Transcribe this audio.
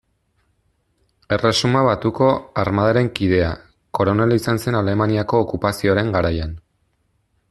Erresuma Batuko Armadaren kidea, koronel izan zen Alemaniako okupazioaren garaian.